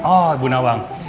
oh ibu nawang